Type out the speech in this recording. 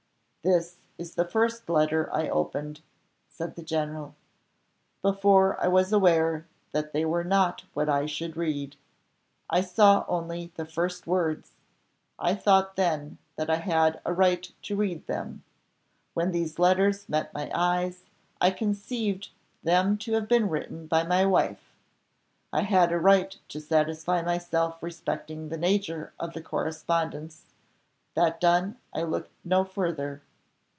"This is the first letter I opened," said the general, "before I was aware that they were not what I should read. I saw only the first words, I thought then that I had a right to read them. When these letters met my eyes, I conceived them to have been written by my wife. I had a right to satisfy myself respecting the nature of the correspondence; that done, I looked no farther.